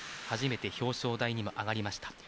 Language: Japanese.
初めて表彰台にも上りました。